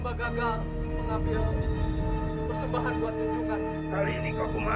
alhamdulillah bayi padiki lahir dengan selamat